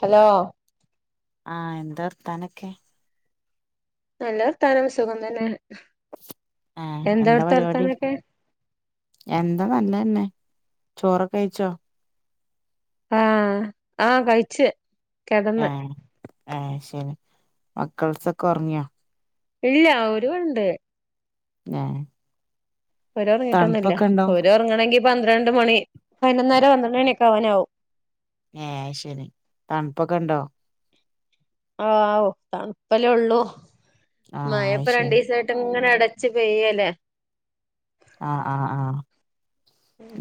Hello ആഹ് എന്താ വർത്താനൊക്കെ നല്ല വർത്താനം സുഖം തന്നെ ആഹ് എന്ത എന്താ അർത്തെ പരിപാടി വർത്താനൊക്കെ എന്താ നല്ലതന്നെ ചോറൊക്കെ കഴിച്ചോ ആഹ് ആഹ് കഴിച്ചു ഞാൻ ആഹ് ആഹ് ശരി മക്കൾസൊക്കെ ഉറങ്ങിയോ ഇല്ല ഒരു വണ്ട് ഞ്ഞേ ഒര ഇറങ്ങിട്ടൊന്നുമില്ല ഉണ്ടോ ഓര ഇറങ്ങണെങ്കി പന്ത്രണ്ട് മണി വൈകന്നേരം പന്ത്രണ്ട് മണിയൊക്കെ ആവാനാവും ഏഹ് ശരി തണുപ്പൊക്കെ ഉണ്ടോ ഔ തണുപ്പല്ലേ ഉള്ളൂ ആഹ് അത് മഴപ്പ രണ്ട് ശരി ദിവസായിട്ട് ഇങ്ങനെ അടച്ച് പെയ്യല്ലേ ആഹ് ആഹ് ആഹ്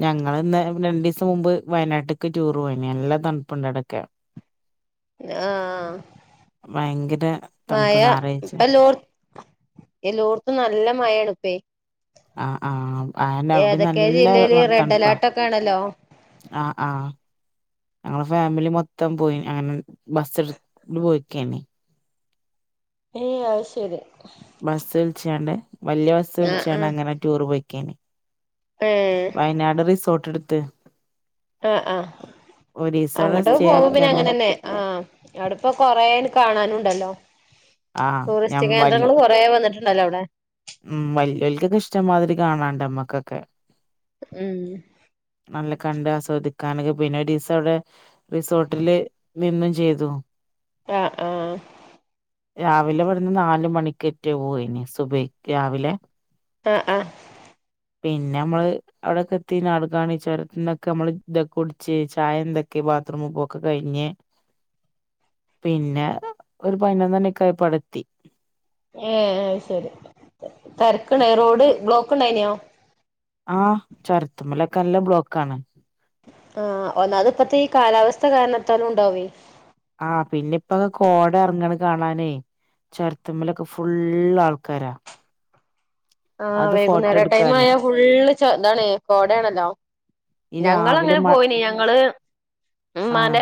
ഞങ്ങ [unintelligible] രണ്ടു ദിവസം മുമ്പ് വയനാട്ടിക് ടൂറ് പോയിന് നല്ലാ തണുപ്പുണ്ട് അവിടൊക്കെ. ആ ഭയങ്കര തണുപ്പ് മയ ഞായറാഴ്ച ഇപ്പോളോട് എലോടെത്തും നല്ല മഴെണ്പ്പെ. ആ ആ ആന്റെ അവിടെ ഏതൊക്കെ നല്ല ജില്ലയില് റെഡ് തണുപ്പാ. അലേർട്ടൊക്കെ ആണല്ലോ ആഹ് ആഹ് ഞങ്ങളെ ഫാമിലി മൊത്തം പോയി ങ്ങനെ ബസ്ടുത് പോയിക്കന്നെ. ഏ അ ശരി ബസ്സ് വിളിച്ചണ്ട് വല്യ ബസ് ആഹ് വിളിച്ചണ്ട് അങ്ങനെ ടൂർ പോയ്ക്കന്. ഏ വയനാട് റിസോർട്ട്ടുത്ത്. ആ, ആ ഒരീസം അവിടെ അങ്‌ട്ട് സ്റ്റേ പോവുമ്പ പിന്നെ ആക്കിയാണ്ട് അങ്ങനെന്നെ ആ. അവിടെപ്പൊ കൊറേന് കാണാനുണ്ടല്ലോ? ആഹ് ഞാൻ ടൂറിസ്റ്റ് വല്യ കേന്ദ്രങ്ങൾ കൊറ വന്നിട്ടു ണ്ടല്ലോ അവിടെ. ഉം വല്യവര്ക്കൊക്കെ ഇഷ്ടംമാതിരി കാണാണ്ട് നമ്മക്കൊക്കെ. ഉം നല്ല കണ്ട് ആസ്വദിക്കാന പിന്നെ ദീ സ അവിടെ റിസോർട്ടില് നിന്നും ചെയ്തോ ആ, ആ രാവിലെബടെന്ന് നാല്മണിക്കറ്റ പോയിന് സുബക്ക് രാവിലെ ആ, ആ. പിന്നെമ്മള് അവിടെക്കെത്തി നാടകാണി ചരത്തിന്നക്കെ നമ്മള് ഇതൊക്കെ കുടിച്ച് ചായ എന്തൊക്കെ ബാത്റൂമ് പോക്ക് കഴിഞ്ഞ് പിന്നെ ഒരു പയിനൊന്നണിക്കയപ്പടുത്തി. ഏ അ ശരി തിരക്കുണ്ട റോഡ് ബ്ലോക്ക്ണ്ടായിന്നോ? ആ ചൊരത്തുമ്മലൊക്കെ ല്ല ബ്ലോക്കാണ്. ആഹ് ഒന്നാത്പ്പത്തെ ഈ കാലാവസ്ഥ കാരണത്താലും ഉണ്ടാവേ. ആപിന്നെപ്പ കോടെറങ്ങണ കാണാനേ. ചോരത്തമ്മിലൊക്കെ ഫുള് ആൾക്കാരാ. ആ അത് ഫോട്ടോ വൈകുന്നേര ടൈം എടുക്കാന് ആയാ ഫുള്ള് ഇതാണ് കോടയാണല്ലോ ഈ രാവിലെ ഞങ്ങളങ്ങനെ മ പോയിന് ഞങ്ങള് ആഹ് ഉമാന്റെ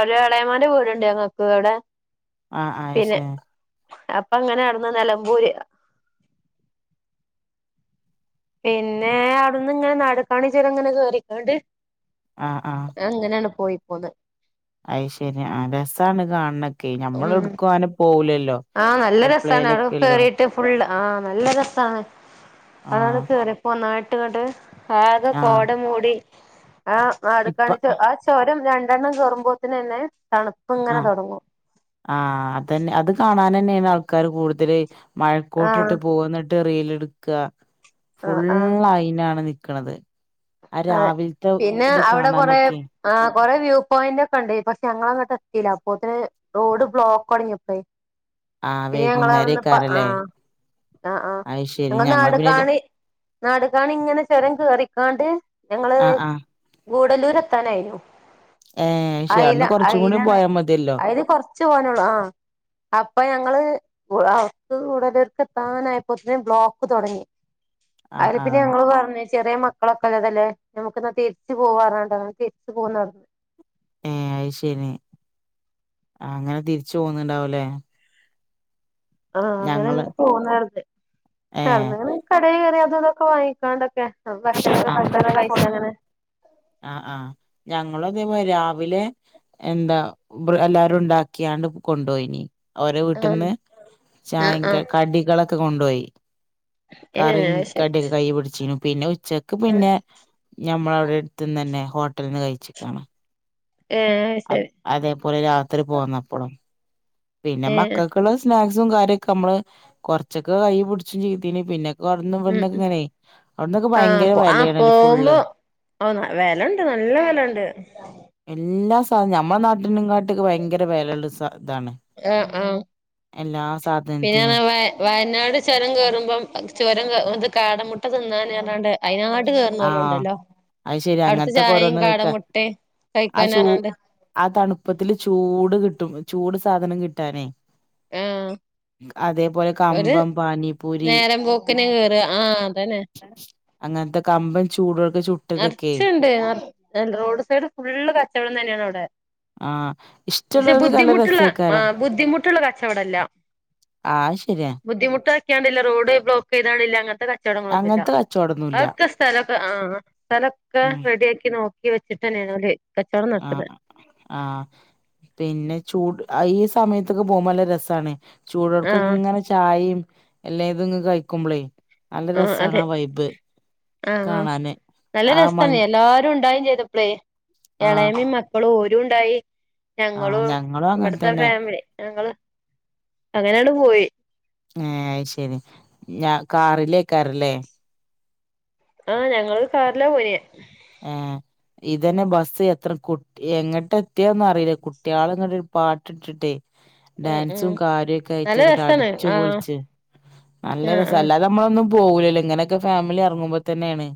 ഒരു എളയമാന്റെ വീടുണ്ട് ഞങ്ങക്ക് അവിടെ. ആ, ആ അയ്ശേ അപ്പൊങ്ങനെ ആർന്ന് നിലമ്പൂര്. പിന്നെവിടുന്ന്ങ്ങനെ നടുക്കാണി ചരങ്ങനെ കേയറിക്കണ്ട് ആ, ആ. അങ്ങനെയാങ്‌ പോയി പോന്ന്. അയശരിയ ആ രസണ് കാണണൊക്കെ നഞമ്മളടുക്കും ആനെ പോവുലല്ലോ. ആനല്ല രസാണ് അട കേറി ഫുള്ള് ആഹ് നല്ല രസമാണ് അതാണ് ആഹ് കേറപ്പോന്നായിട്ട്ങ്ങട്ട് ആക ആഹ് കോട മൂടി ഇപ്പ ആനാടുകാണിച്ചു. ആ ചോരം രണ്ടെണ്ണം കയറുമ്പോത്തന തണുപ്പങ്ങനെ തുടങ്ങും. ആ അതന്നെ അത് കാണാനന്നെണ് ആൾക്കാര് കൂടുതല് ആഹ് മഴക്കോട്ടിട്ട് പോകുന്നു. ട്ട് റീലെട്ക്ക ആഹ് ആഹ് ഫുള്ളയിനാണ് നി ക്കണത്. ആ രാവിലത്തെ ത് കാണാനൊക്കെ ആ കൊറേ വ്യൂ പോയിന്റ്ക്കെ ണ്ട് ഇപ്പ ഞങ്ങളഅങ്ങോട്ട് എത്തില്ല അപ്പോത്തിന് റോഡ് ബ്ലോക്കൊടങ്ങിയപ്പയെ. ആ പിന്നെ ഞങ്ങളവിന്ന് പ്പ ആ, വൈകുന്നേരക്കാരല്ലേ ആ, ആ അത് ശരി ഞങ്ങ ഞങ്ങൾ നാട പിന്നെ കാണി. നാട് കാണങ്ങനെ ചുരം കേറിക്കാണ്ട് ഞങ്ങള് ആ ആ ഗൂടലൂർത്താനായിരുന്നു ഏ ശരി അൽ അന്ന് കുറച്ചും കൂടി അയലാണ് പോയാൽ മതിയല്ലോ അല് കൊറച്ച് [unintelligible] ആ അപ്പ ന ങ്ങള് അവർക്ക് കൂടലർക്ക് എത്താനായപ്പോത്തും ബ്ലോക്ക് തുടങ്ങി. ആ ആ അതിപ്പം ഞങ്ങള് പറഞ്ഞ് ചെറിയ മക്കളൊക്കെ ഉള്ളതല്ലേ നമ്മുക്കെന്നാ തിരിച്ച് പോവാന്ന് പറഞ്ഞിട്ടുണ്ടാവും തിരിച്ചു പോവുന്നത് ഏയ് അയ്ശരി ആ അങ്ങനെ തിരിച്ചു പോന്നുണ്ടാവുലേ ആ അങ്ങനെ പോനേരത്തെ ഏ സാധനങ്ങള് കടയിൽ കയറി അതും ഇതൊക്കെ വാങ്ങിക്കാണ്ടൊക്കെ ഭക്ഷണൊക്കെ ആ ഫുടൊക്കെ കഴിച്ചാങ്ങനെ ആ ആ ഞങ്ങളു അതേമാതിരി രാവിലെ എന്താ ബ്രർ എല്ലാവാരും ഉണ്ടാക്കിയാണ്ട് കൊണ്ടു പോയിനി ഓരോ ആഹ് വീട്ടിന്ന് ആഹ് ചായേം ആഹ് കടികളൊക്കെ കൊണ്ടോയി ഏഹ് കറീം അഹ് ശരി കടിക്കെ കൈ പിടിച്ചീനു പിന്നെ ഉച്ചക്ക് ഏഹ് പിന്നെ ഞമ്മളവിടെ ത്തിന്നന്നെ ഹോട്ടലിന്ന് കഴിച്ചിക്കാണേ ഏ അ അതേപോലെ രാത്രി പോന്നപ്പളും പിന്നെ ഏഹ് മക്കൾക്കുള്ളത് സ്നാക്ക്സും കാര്യൊക്കെ നമ്മള് കൊറച്ചൊക്കെ കൈ പിടിച്ചും രീതില് പിന്നെ കൊടന്നും ഉം ഇവിടന്നൊക്കെ ഉം ഇങ്ങനെ അവിടന്നൊക്കെ ആഹ് ഭയങ്കര പോ ആഹ് വെലയാണല്ലേ ഫുള്ള് പോവുമ്പോ ഓ ന വെല ഉണ്ട് നല്ല വെല ഉണ്ട് എല്ലാ സാധനം ഞമ്മള നാട്ടിനും കാട്ടിക്ക് ഭയങ്കര വിലയുള്ള സ ഇതാണ് ആഹ് ആ എല്ലാ പിന്നെന്നാ സാധനത്തിനും വെ വയനാട് ചുരം കേറുമ്പം ചുരം അത് കാടമുട്ട തിന്നാന്പറഞ്ഞോണ്ട് അയ്നാട് ട്ട് കേറുന്നോലും ആഹ് ഉണ്ടല്ലോ അത് ശരി അവിടുത്ത അങ്ങനത്തൊക്കെ ചായയും ഓരോന്ന് കാട കഴിക്കാ മുട്ടേം ആ ചൂ കഴിക്കാനർഞ്ഞാണ്ട് ആ തണുപ്പത്തില് ചൂട് കിട്ടും ചൂട് സാധനം കിട്ടാനേ ആഹ് അതേപോലെ ഒരു കമ്പം പാനിപൂരി നേരം പോക്കിന് കേറ ആഹ് അതന്നെ അങ്ങനത്തെ കമ്പം ചൂടൊർക്കെ ചു നിറച്ചുണ്ട് അ റോഡ് സൈഡ് ഫുള്ള് കച്ചവടം തന്നെയാണ് അവിടെ ആഹ് പക്ഷെ ഇഷ്ടള്ളോൽക്കൊക്കെ നല്ല ബുദ്ധിമുട്ടുള്ള ആ രസേക്കാരം ബുദ്ധിമുട്ടുള്ള കച്ചവടല്ല ആ ശരിയാ ബുദ്ധിമുട്ടാക്കിയാണ്ടില്ല റോഡ് ബ്ലോക്ക്‌ ചെയ്താണ്ടില്ല അങ്ങൻ തൊക്കെ റ്റടങ്ങളൊന്നും ഇല്ല അങ്ങനത്തെ കച്ചോടൊന്നുല്ല അതൊക്കെ സ്ഥലൊക്കെ ആഹ് സ്ഥലൊക്കെ ഉം ദിയാക്കിന് നോക്കി വെച്ചിട്ട് തന്നെയാണല് കച്ചവടം നടത്തുന്നെ ആഹ് ആഹ് പിന്നെ ചൂട് ഈ സമയത്തൊക്കെ പോകുമ്പോ നല്ല രസാണേ ചൂടേടക്ക് ആഹ് ഇങ്ങനെ ചായേം എല്ലാ ഇതങ്ങ് കഴിക്കുമ്പളേ നല്ല രസാണ് അതെ ആ വൈപ് ആഹ് ആഹ് നല്ല രസാണേ മഞ് എല്ലാരും ഉണ്ടായേം ചെയ്തപ്പളേ ആഹ് എളേമ്മേം മക്കളും ഓരുണ്ടായി ആഹ് ഞങ്ങളും അങ്ങനെ ഇവിടുത്തെ തന്നെ ഫാമിലെ ഞങ്ങള് അങ്ങനെയാണ് പോയി ഏ അയ്ശരി ഞാ കാറിലേക്കാറല്ലേ ആഹ് ഞങ്ങള് കാറിലാ പോയേ ആ ഇതന്നെ ബസ്സ് എത്ര കു എങ്ങട്ട് എത്തിയെന്ന് അറിയില്ലേ കുട്ടിയാള് അങ്ങട്ട് പാട്ട് ഇട്ടിട്ടേ ഉം ഉം ഡാൻസും കാര്യോക്കെ നല്ല ആയിറ്റങ്ങട്ട് രസാണ് അടിച്ചു ആഹ് പൊളിച്ച് നല്ല ആഹ് രസാ ആഹ് അല്ലാത നമ്മളൊന്നും പോവൂലല്ലോ ഇങ്ങനെയൊക്കെ ഫാമിലി ഇറങ്ങുമ്പോ തന്നെയാണേ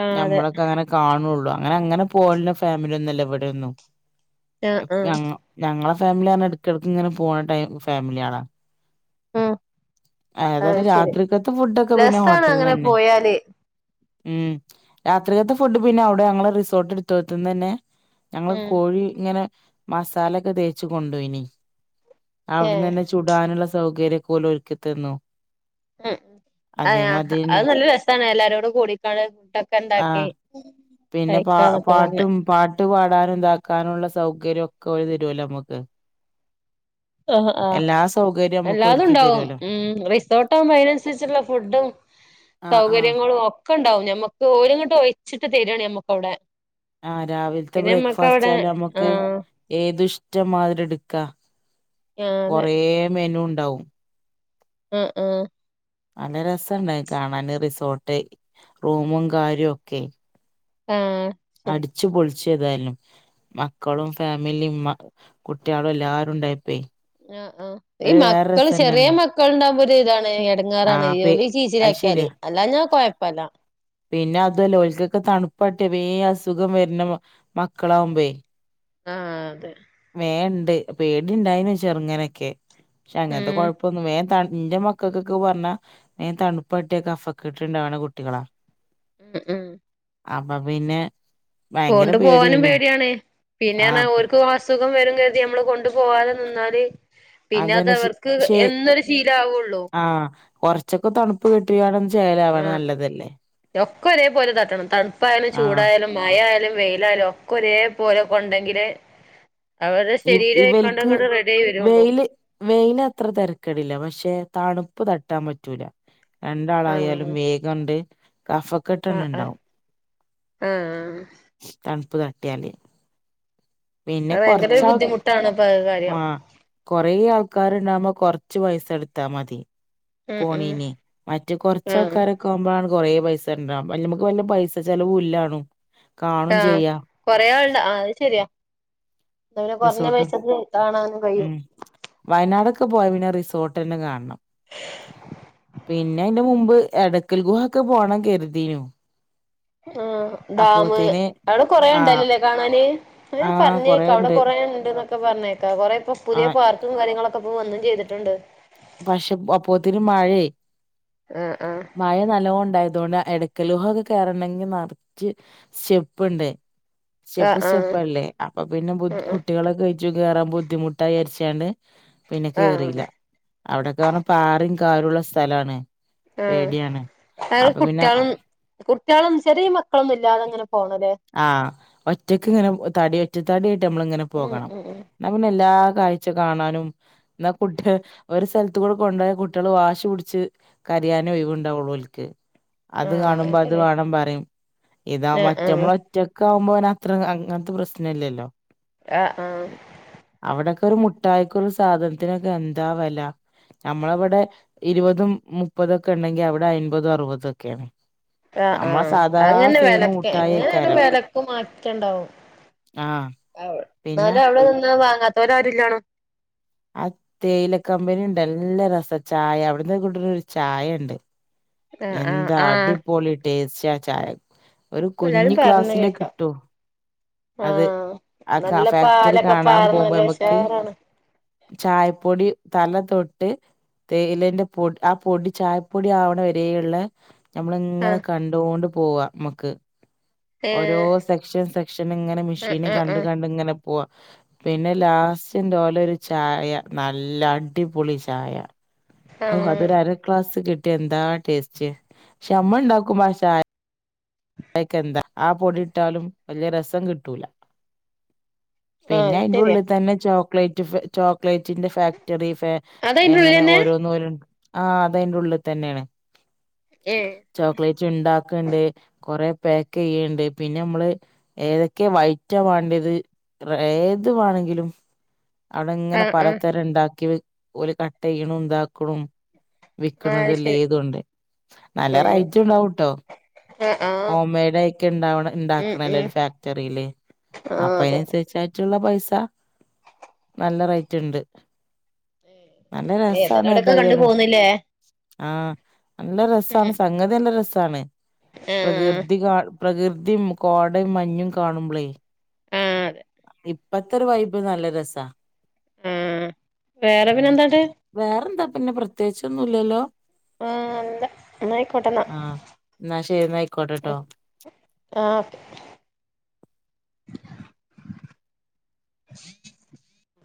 ആഹ് അതെ ഞമ്മള് അങ്ങനെ കാണുള്ളു അങ്ങനെ അങ്ങനെ പോവുല്ല ഫാമിലി ഒന്നു അല്ല ഇവിടെ ഒന്നും ആഹ് ആഹ് [unintelligible] ഞങ്ങള ഫാമിലിയാന്ന് എടക്കിടക്കിങ്ങനെ പോണ ടൈം ഫാമിലി ആണാ ഉം അത് ഏതാലും ശരി രാത്രിക്കത്തെ ഫുഡൊക്കെ പിന്നെ ഹോട്ടൽന്ന് ന്നെ ക്യാല് ഉമ് രാത്രിലത്തെ ഫുഡ് പിന്നെ അവിടെ ഞങ്ങള് റിസോർട്ട് എടുത്തോട്ത്തുന്നന്നെ ഞങ്ങള് ഉം കോഴി ഇങ്ങനെ മസാല ഒക്കെ തേച്ച് കൊണ്ടോയിനി അവിടന്ന് ഏഹ് തന്നെ ചു ഇടാനുള്ള സൗകര്യം പോലും ഒരുക്കിത്തന്നു ഉം അയാ അത് തന്നെ നല്ല രസാണ് എല്ലാരോടും കൂടിക്കാണ് ആ ഫുഡൊക്കെണ്ടാക്കി പിന്നെ പാ പാട്ടും പാട്ട് പാടാനും ഇതാക്കാനുംഉള്ള സൗകര്യം ഒക്കെ ഒരു തരുമല്ലോ നമുക്ക്. ആഹ് ആ. എല്ലാ സൗകര്യ അല്ലാതും ഉണ്ടാവും ഉം റിസോർട്ട ആകുമ്പോ അതിനനുസരിച്ചുള്ള ഫുഡും. സൗകര്യങ്ങളും ഒക്കെ ഉണ്ടാവും ഞമ്മക്ക് ഒരുങ്ങോട്ടും ഒഴിച്ചിട്ട് തരാണ് മ്മക്ക് അവിടെ. ആഹ് രാവിലത്തെ പിന്നെ നമ്മക്ക് ബ്രേക്ക്ഫാസ്റ്റ് അവിടെ ആലും മ്മക്ക് ആഹ് ഏത് ഇഷ്ടംമാതിരി എടുക്കാ ആഹ് അതെ കൊറേ മെനു ഉണ്ടാവും അഹ് ആഹ് നല്ല രസണ്ടായി കാണാന് റിസോർട്ട് റൂമും കാര്യോക്കെ. ആഹ് ശരി. അടിച്ച് പൊളിച്ച ഏതായാലും. മക്കളും ഫാമിലിയും മ കുട്ടികളും എല്ലരും ഉണ്ടായിപ്പോയി ആ ആ ഈ മക്കള് ചെറിയ മക്കൾണ്ടാവുമ്പോ ഒരു ഇതാണ് ഇട ആ ങ്ങാറാണ് പേ ജോലി ചീച്ചി അത് ശരിയാ ആക്കിയാല് അല്ലാ ഞാ കുഴപ്പല്ല. പിന്നെ അതുല്ല ഒല്ക്കൊക്കെ തണുപ്പട്ടെ വേ അസുഖം വരുന്ന മക്കളാമ്പേ. ആഹ് അതെ. വേൻണ്ട് പേടി ഇണ്ടായിന് ചെറുങ്ങനൊക്കെ ക്ഷെ അങ്ങനത്തെ ഉം കൊഴപ്പൊന്നും വേൻ ത ൺ ന്റ മക് കക്കക്ക ഒക്കെ പറഞ്ഞാ വേം തണുപ്പട്ടിയൊക്കെ കഫക്കെട്ട് ഉണ്ടാവുന്ന കുട്ടികളാ. ഉം ഉം അപ്പ പിന്നെ. ഭയങ്കര കൊണ്ടു പോവാനും പേടിയേനു പേടിയാണ് പിന്നെ ആഹ് എന്നുപറഞ്ഞാൽ സുഖം വരും കരുതി നമ്മള് കൊണ്ടു പോവാതെ നിന്നാല്- പിന്നെ അതന്നെ ശ അതവർക്ക് ശെ എന്നൊരു ശീല ആവുള്ളൂ. ആഹ് കൊറച്ചൊക്കെ തണു പ്പ് കിട്ടുകയാണെന്ന് ചെയ്യല- ആഹ് രൊക്കെ ഒരേപോലെ തട്ടണം തണുപ്പായാലും ആഹ് ചൂടായാലും. മഴയാലും വെയിലായാലും ഒക്കെ ഒരേ പോലെ കൊണ്ടെങ്കില് അവരേ ഇ ശരീരം ആയിക്കൊണ്ട്ങ്ങോണ്ട് റെഡി ആയി വരുള്ളൂ. വെയിന അത്ര തെരക്കേടില്ല പക്ഷെ തണുപ്പ് തട്ടാൻ പറ്റൂല. രണ്ടാളായാലും ആഹ് വേഗംണ്ട് കഫക്കെട്ടണ് ആഹ് ആഹ് ഉണ്ടാവും. ആഹ്. ആ. തണുപ്പ് തട്ടിയാല് പിന്നെ അത് ഭയങ്കര ഒരു കൊറച്ചാൾക് ബുദ്ധിമുട്ടാണ് ഇപ്പ അത് മ കാര്യം കൊറേ ആൾക്കാരിണ്ടാവകുമ്പോ കൊറച്ച് പൈസ എടുത്താ മതി. ഉം ഉം പോണീനെ മറ്റ കൊറച്ച ആഹ് ആൾക്കാര വുമ്പോണ് കൊറേ പൈസ ഉണ്ടാവ ല് നമുക്ക് വല്ല പൈസ ചെലവു ഇല്ലാണു. ആഹ് കൊറേ ആള്ണ്ട ആഹ് അത് ശെരിയാ. എ അവരെ കുറഞ്ഞ റിസോർട്ട് പൈസക്ക് കാണാനും കഴിയും ഉം വയനാടൊക്കെ പോയ പിന്നെ റിസോർട്ട് തന്നെ കാണണം പിന്നെ അതിന്റെ മുമ്പ് എടയ്ക്കൽ ഗുഹ ഒക്കെ പോകണം കരുതീനു ആഹ് ഡാം അപ്പോത്തിന് അവിടെ കൊറേ ആ ഉണ്ടല്ലല്ലേ കാണാന്. അവര് ആ പറഞ്ഞേക്കാം അവിടെ കൊറേണ്ട് കൊറേ ഉണ്ട്. ക്കെ പറഞ്ഞേക്കാ കുറേ ഇപ്പൊ ആ പുതിയ പാർക്കും കാര്യങ്ങളൊക്കെ ഇപ്പൊ വന്നും ചെയ്തിട്ടുണ്ട്. പക്ഷെ അപ്പോത്തിനും മഴായി. ആഹ് ആഹ് മഴ നല്ലോം ഉണ്ടായതോണ്ട് ഇടക്ക ലോഹൊക്കെ കേയറണമെങ്കിൽ നിറച്ച്. ശെപ്പുണ്ടേ. ശപ്പ് ആഹ് ശെപ്പല്ലേ അപ്പൊ പിന്നെ ബു ആഹ് കുട്ടികളെ കഴിച്ചു കേറാ ബുദ്ധിമുട്ടായിരിച്ചണ്ട്. പിന്നെ ആഹ് കേറീല്ല. ആഹ് അവിടൊക്കെ പറഞ്ഞാ പാറേം കാറും ഉള്ള സ്ഥലാണ് ആ പേടിയാണ് അയാള് അപ്പൊ പിന്നെ കുട്ടികളും കുട്ടികളും ചെറിയ മക്കളൊന്നും ഇല്ലാതെ എങ്ങനെ പോണല്ലേ ആ ഒറ്റക്ക് ഇങ്ങനെ തടി ഒറ്റ തടി ആയിട്ട് നമ്മള് ഇങ്ങനെ ഉം പോകണം. ഉം ഉം അങ്ങിനെ എല്ലാ കാഴ്ച കാണാനും എന്നാ കുട്ടി ഒരു സ്ഥലത്തുകൂടെ കൊണ്ടു പോയാ കുട്ടികൾ വാശി പിടിച്ച് കരയാനേ ഒഴിവുണ്ടാവുള്ളൂ ഓൽക്ക്. അത് ആഹ് കാണുമ്പോ അത് ശരി വേണം പറയും ഇതാവുമ്പേ ആഹ് ഒറ്റ ആഹ് ഇമ്മള് ഒ ഒറ്റക്ക് ആവുമ്പോ അങ്ങനെ അത്ര അങ്ങനത്തെ പ്രശ്നം ഇല്ലല്ലോ. ആഹ് ആഹ് അവിടൊക്കെ ഒരു മുട്ടായിക്കൊരു സാധനത്തിനൊക്കെ എന്താ വെല ല നമ്മളെ ഇവിടെ ഇരുപതും മുപ്പതൊക്കെ ഉണ്ടെങ്കിൽ അവിടെ അയിൻപതും അറുപതൊക്കെയാണ്. ആ ആ അങ്ങനെ തന്നെ വിലക്ക് എങ്ങനെ തന്നെ മുട്ടായിക്കാരം വിലക്ക് മാറ്റം ഇണ്ടാവും ആഹ് പിന്നെ എന്നാലും അവിടെ നിന്നാ വാങ്ങാത്തോര് ആരും ഇല്ലാണും ആ തേയില കമ്പനി ഉണ്ട് എല്ലാ രസാ ചായ അവിടന്ന് കിട്ടണ ഒരു ചായ ഉണ്ട്. ആഹ് ആഹ് എന്താ ആഹ് അടിപൊളി ടേസ്റ്റാ ചായ. എല്ലാരും പറഞ്ഞ കേക്കാം അത് ആഹ് ആ നല്ല ഫാക്ടറി പാലൊക്കെ കാണാൻ പാർന്ന് പോകുമ്പോ നല്ല നമ്മക്ക് ഉഷാറാണ്. ചായപ്പൊടി തല തൊട്ട് തേയിലേന്റെ പൊ ആഹ് പൊടി ചായപ്പൊടി ആവണ വരേയുള്ള ഞമ്മള് ഇങ്ങനെ ആഹ് കണ്ടുകൊണ്ട് പോവാ ഇമ്മക്ക് ഓരോ ഏഹ് സെക്ഷൻ സെക്ഷൻ ഇങ്ങനെ ആഹ് മെഷീയൻ ആഹ് കണ്ട് കണ്ടിങ്ങനെ പോവാ പിന്നെ ലാസ്റ്റ്ഇന്റ് ഓലൊരു ചായ നല്ല അടിപൊളി ചായ ആഹ് ഓ ആഹ് അതൊരു അര ഗ്ലാസ് കിട്ടിയാ എന്താ ടേസ്റ്റ്. പക്ഷെ നമ്മ ഉണ്ടാക്കുമ്പേ ആ ചായ ആയിക്കെന്താ ആ പൊടി ഇട്ടാലും വലിയ രസം കിട്ടൂല. ആഹ് പിന്നെ അത് അയിന്റെ ശരിയാ ഉള്ളിൽ തന്നെ ചോക്ലേറ്റ് ചോക്ലേറ്റിന്റെ ഫാക്ടറി ഫാ അതയിന്റെ എങ്ങനെ ഉള്ളിലെന്നെ ഓരോന്ന് പോലും ആ അതിന്റെ ഉള്ളിൽ തന്നെയാണ് ഏ ചോക്ലേറ്റ് ഉണ്ടാക്കണ്ട്. കൊറെ പാക്ക് ചെയ്യണ്ട് പിന്നെ നമ്മള് ഏതൊക്കെ വൈറ്റാ വേണ്ടത് ഇത്ര ഏതു വേണെങ്കിലും അവിടെ ഇങ്ങനെ ആഹ് ആഹ് പലതരം ഉണ്ടാക്കി വെക്ക് ഓല് കട്ട് ചെയ്യണ് ഇതാക്കും ആഹ് അത് വിക്കണതല്ലേ ശരി എത്തുമ്ണ്ട് നല്ല ഉം റൈറ്റുണ്ടാവൂട്ടോ. ആഹ് ആഹ് ഹോം മെയ്ഡായിക്കുണ്ടാവണ ഉം ഉണ്ടാക്കണല്ലേ ഉം ഒരു ഫാക്ടറിയില് ആഹ് അപ്പൊ അതെ അതിനനുസരിച്ചായി ച്ചുള്ള പൈസ നല്ല റേറ്റ് ഇണ്ട് നല്ല രസാണ് അവിടൊക്കെ കണ്ടു ഏതായാലും പോന്നില്ലേ ആ നല്ല ഉം രസാണ് സംഗതി നല്ല രസാണ് ആഹ് പ്രകൃതി കാ പ്രകൃതിയും കോടേയും മഞ്ഞും കാണുമ്പളേ ആഹ് അതെ ഇപ്പത്തൊരു വൈബ് നല്ല രസാ. ആഹ് വേറെ പിന്നെ ഉം എന്താണ്ട് വേറെന്താ പിന്നെ പ്രത്യേകിച്ചൊന്നും ഇല്ലല്ലോ. ആ ഇല്ല എന്നാ ആയിക്കോട്ടന്നാ. ആഹ് എന്നാ ശരി എന്നാ ഓ ആയിക്കോട്ടെട്ടോ ആഹ്